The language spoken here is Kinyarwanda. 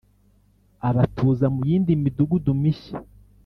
Abatuza mu yindi midugudu mishya